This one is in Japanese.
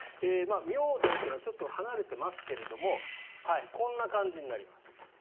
妙典というのはちょっと離れていますけれどこんな感じになります。